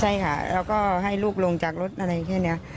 ใช่ค่ะแล้วก็ให้ลูกลงจากรถอะไรแค่นี้